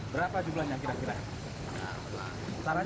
berapa jumlahnya kira kira